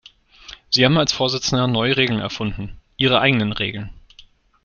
Sie haben als Vorsitzender neue Regeln erfunden Ihre eigenen Regeln.